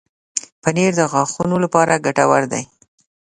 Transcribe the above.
پنېر د غاښونو لپاره ګټور دی.